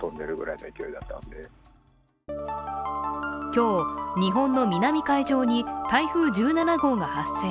今日、日本の南海上に台風１７号が発生。